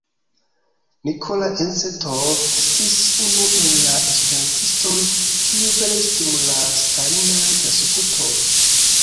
Nikolaj Incertov estis unu el la esperantistoj, kiuj pereis dum la Stalinaj persekutoj.